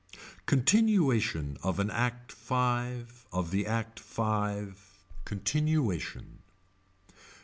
Continuation of an Act Five of the Act Five. Continuation.